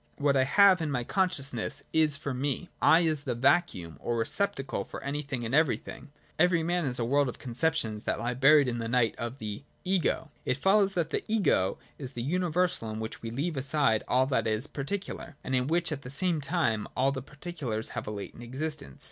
What I have in my consciousness, is for me. ' I ' is the vacuum or receptacle for anything and everything : for which everything is and which stores up everjrthing in itself. Every man is a whole world of conceptions, that lie buried in the night of the ' Ego.' It follows that the ' Ego ' is the universal in which we leave aside all that is particular, and in which at the same time all the particulars have a latent existence.